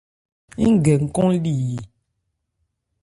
Ń gɛ nkɔn li yi.